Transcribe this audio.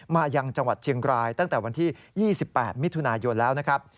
มายังจังหวัดเชียงรายตั้งแต่วันที่๒๘มิถุนายนแล้วนะครับ